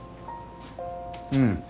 うん。